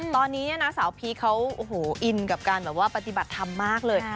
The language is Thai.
ตอนนี้สาวพีคเขาอินกับการปฏิบัติธรรมมากเลย